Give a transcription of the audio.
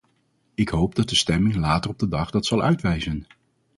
Ik hoop dat de stemming later op de dag dat zal uitwijzen.